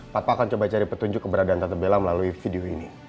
papa akan coba cari petunjuk keberadaan tata bella melalui video ini